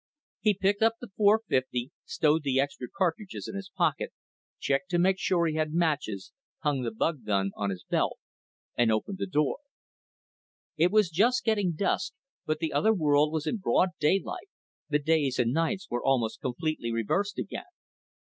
He picked up the .450, stowed the extra cartridges in his pocket, checked to make sure he had matches, hung the bug gun on his belt, and opened the door. It was just getting dusk, but the other world was in broad daylight, the days and nights were almost completely reversed again.